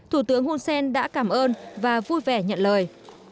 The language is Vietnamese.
thủ tướng hun sen đã cảm ơn và vui vẻ nhận lời